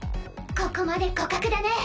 ここまで互角だね。